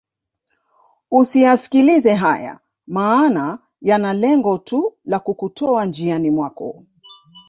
Usiyaskilize haya maana yana lengo tu la kukutoa njiani mwako